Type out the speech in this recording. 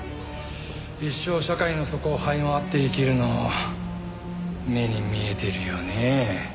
一生社会の底を這い回って生きるの目に見えてるよねえ。